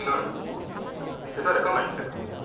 って誰かが言ってた。